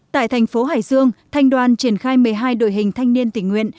tại thành phố hải dương thanh đoàn triển khai một mươi hai đội hình thanh niên tỉnh nguyện